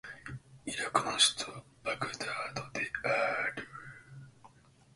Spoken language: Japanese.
イラクの首都はバグダードである